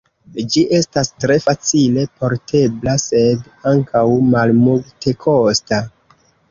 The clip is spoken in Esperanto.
Ĝi estas tre facile portebla, sed ankaŭ malmultekosta.